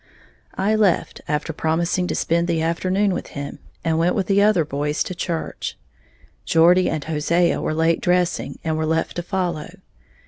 I left after promising to spend the afternoon with him, and went with the other boys to church. Geordie and Hosea were late dressing, and were left to follow.